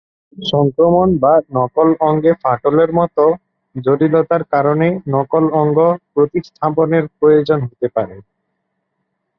সংক্রমণ বা নকল অঙ্গে ফাটলের মতো জটিলতার কারণে নকল অঙ্গ প্রতিস্থাপনের প্রয়োজন হতে পারে।